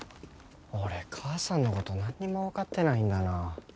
俺母さんのこと何にも分かってないんだな。